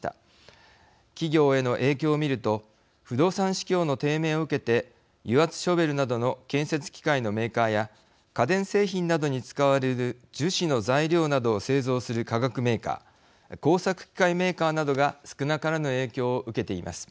企業への影響を見ると不動産市況の低迷を受けて油圧ショベルなどの建設機械のメーカーや家電製品などに使われる樹脂の材料などを製造する化学メーカー工作機械メーカーなどが少なからぬ影響を受けています。